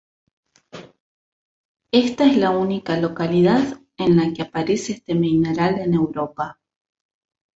Esta es la única localidad en la que aparece este mineral en Europa.